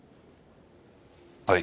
はい。